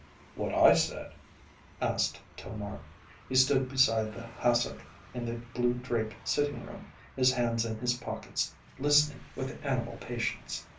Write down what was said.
"What I said?" asked Tomar. He stood beside the hassock in the blue draped sitting room, his hands in his pockets, listening with animal patience.